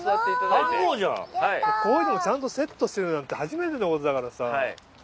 こういうのもちゃんとセットしてるなんて初めてのことだからさ。